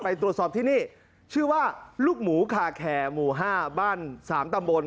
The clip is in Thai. ตรวจสอบที่นี่ชื่อว่าลูกหมูคาแคร์หมู่๕บ้าน๓ตำบล